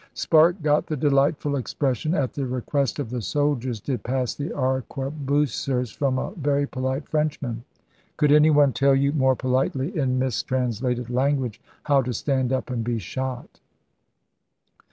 Sparke got the delightful ex pression 'at the request of the soldiers did pass the arquebusers' from a 'very polite' Frenchman. Could any one tell you more politely, in mistrans lated language, how to stand up and be shot?